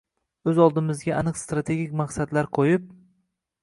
o‘z oldimizga aniq strategik maqsadlar qo‘yib